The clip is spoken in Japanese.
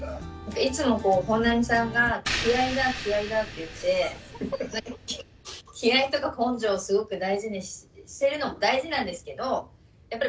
いつも本並さんが気合いとか根性をすごく大事にしてるのも大事なんですけどやっぱり